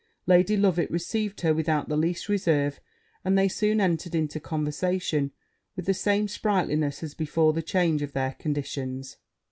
Lady Loveit received her without the least reserve; and they soon entered into conversation with the same sprightliness as before the change of their conditions.